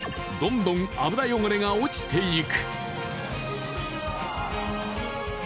こちらの壁もどんどん油汚れが落ちていく。